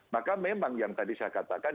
maka memang yang tadi saya katakan